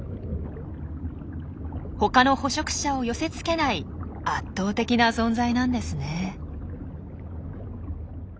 ほかの捕食者を寄せつけない圧倒的な存在なんですね。